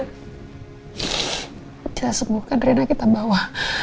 kita sembuhkan drena kita bawa